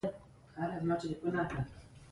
پروفيسر ځوړند سر له لابراتواره ووت.